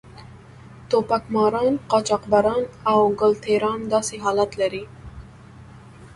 ټوپک ماران، قاچاقبران او ګل ټېران داسې حالت لري.